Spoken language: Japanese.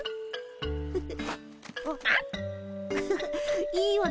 フフいいよね